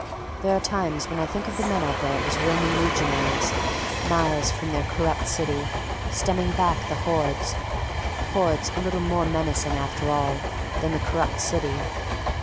There are times when I think of the men out there as Roman legionaries, miles from their corrupt city, stemming back the hordes... hordes a little more menacing, after all, than the corrupt city...